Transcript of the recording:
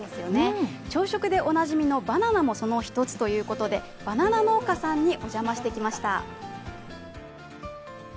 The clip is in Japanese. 朝食でおなじみのバナナもその１つということで、バナナ農家さんにお邪魔してきました。